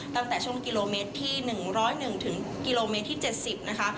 ตั้งแต่ช่วงกิโลเมตรที่หนึ่งร้อยหนึ่งถึงกิโลเมตรที่เจ็ดสิบนะคะ